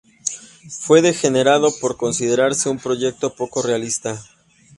Fue denegada por considerarse un proyecto poco realista.